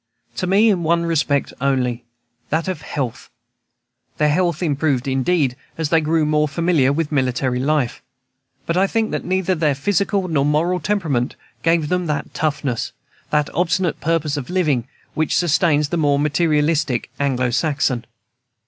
To me in one respect only, that of health. Their health improved, indeed, as they grew more familiar with military life; but I think that neither their physical nor moral temperament gave them that toughness, that obstinate purpose of living, which sustains the more materialistic Anglo Saxon.